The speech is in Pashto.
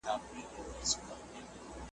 کبابیږي به زړګی د دښمنانو .